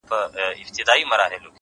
o ولي مي هره شېبه؛ هر ساعت په غم نیسې؛